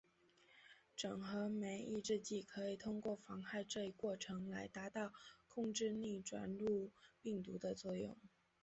整合酶抑制剂可以通过妨害这一过程来达到控制逆转录病毒的作用。